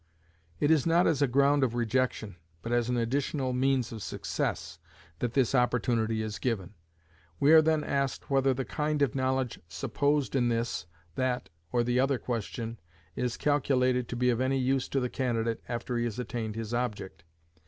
It is not as a ground of rejection, but as an additional means of success, that this opportunity is given. We are then asked whether the kind of knowledge supposed in this, that, or the other question, is calculated to be of any use to the candidate after he has attained his object.